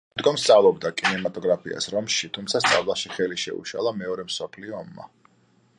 შემდგომ სწავლობდა კინემატოგრაფიას რომში, თუმცა სწავლაში ხელი შეუშალა მეორე მსოფლიო ომმა.